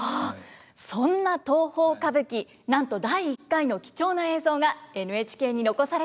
そんな東宝歌舞伎なんと第１回の貴重な映像がＮＨＫに残されています。